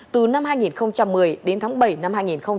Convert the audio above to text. từ năm hai nghìn một mươi đến tháng bảy năm hai nghìn một mươi ba